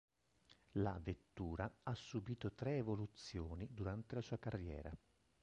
La vettura ha subito tre evoluzioni durante la sua carriera.